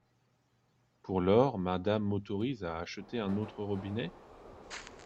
Pour lors, Madame m’autorise à acheter un autre robinet ?